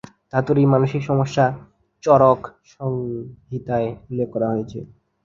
ধাতুর এই মানসিক সমস্যা চরক সংহিতায় উল্লেখ করা হয়েছে।